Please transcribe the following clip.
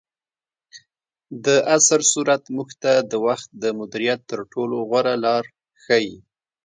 دعصري سورت موږ ته د وخت د مدیریت تر ټولو غوره لار ښیي.